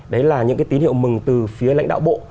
đấy là những cái tín hiệu mừng từ phía lãnh đạo bộ